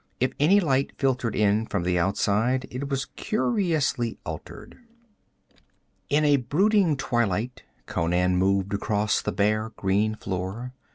If any light filtered in from the outside it was curiously altered. In a brooding twilight Conan moved across the bare green floor.